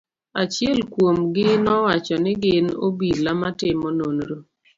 Achiel kuom gi nowacho ni gin obila ma timo nonro.